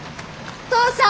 お父さん！？